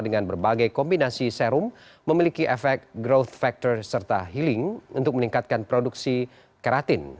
dengan berbagai kombinasi serum memiliki efek growth factor serta healing untuk meningkatkan produksi karatin